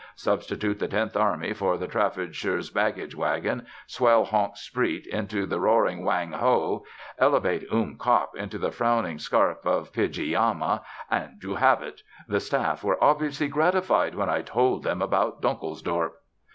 Substitute the Tenth Army for the Traffordshire's baggage wagon, swell Honks Spruit into the roaring Wang ho, elevate Oom Kop into the frowning scarp of Pyjiyama, and you have it. The Staff were obviously gratified when I told them about Donkelsdorp.